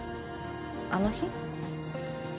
あの日？